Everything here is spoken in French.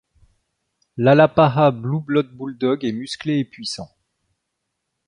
L'Alapaha Blue Blood Bulldog est musclé et puissant.